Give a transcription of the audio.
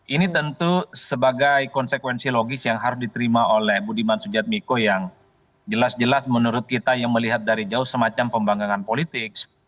ini tentu sebagai konsekuensi logis yang harus diterima oleh budiman sujadmiko yang jelas jelas menurut kita yang melihat dari jauh semacam pembanggangan politik